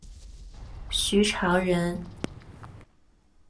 徐潮人。